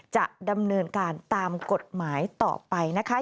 จะดำเนินการตามกฎหมายต่อไปนะคะ